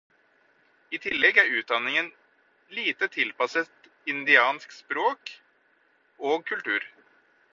I tillegg er utdanningen lite tilpasset indiansk språk og kultur.